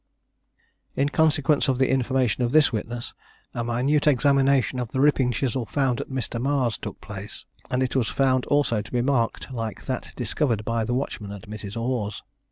In consequence of the information of this witness, a minute examination of the ripping chisel found at Mr. Marr's took place, and it was found also to be marked like that discovered by the watchman at Mrs. Orr's.